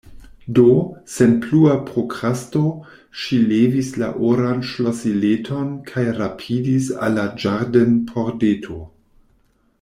Do, sen plua prokrasto ŝi levis la oran ŝlosileton kaj rapidis al la ĝardenpordeto.